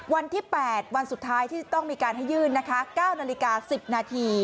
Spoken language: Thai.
วันที่๘วันสุดท้ายที่ต้องมีการให้ยื่นนะคะ๙นาฬิกา๑๐นาที